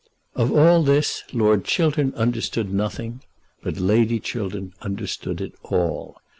Of all this Lord Chiltern understood nothing, but Lady Chiltern understood it all.